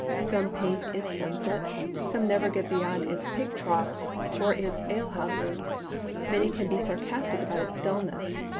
Some paint its sunsets, some never get beyond its pig troughs or its alehouses; many can be sarcastic about its dulness.